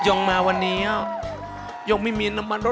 หย่องมาวันนี้หรอ